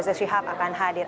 zik sihab akan hadir